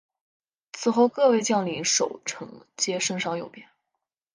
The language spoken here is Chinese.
此后各位将领守臣皆升赏有别。